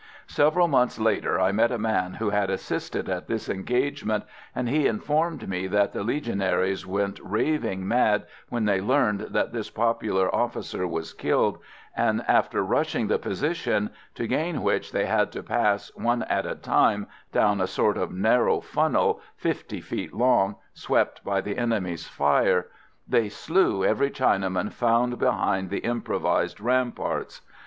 Several months later I met a man who had assisted at this engagement, and he informed me that the Legionaries went raving mad when they learned that this popular officer was killed, and, after rushing the position to gain which they had to pass, one at a time, down a sort of narrow funnel, 50 feet long, swept by the enemy's fire they slew every Chinaman found behind the improvised ramparts.